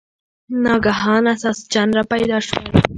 ناګهانه ساسچن را پیدا شول.